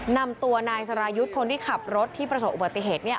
นำตัวนายสรายุทธ์คนที่ขับรถที่ประสบอุบัติเหตุ